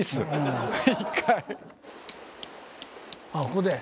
あここで？